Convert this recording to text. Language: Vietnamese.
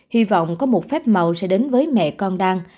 hy vọng có một phép màu sẽ đến với mẹ con đang